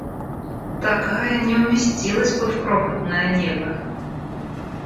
Такая не уместилась бы в крохотное небо!